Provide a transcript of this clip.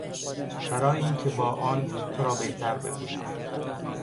برای اینکه با آن تو را بهتر ببینم.